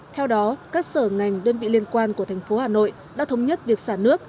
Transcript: theo đó các sở ngành đơn vị liên quan của thành phố hà nội đã thống nhất việc xả nước